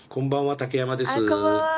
竹山です。